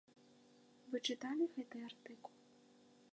Вы чыталі гэты артыкул?